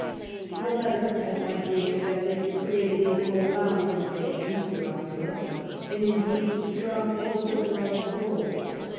The letter, as might be expected, created a pro found sensation throughout Europe, and indeed throughout the whole civilized world.